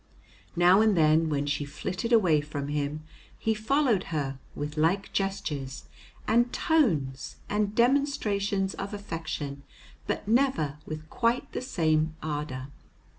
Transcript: Now and then, when she flitted away from him, he followed her with like gestures and tones and demonstrations of affection, but never with quite the same ardor.